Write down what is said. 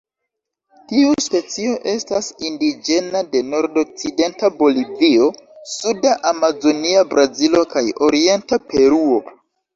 Tiu specio estas indiĝena de nordokcidenta Bolivio, suda Amazonia Brazilo kaj orienta Peruo.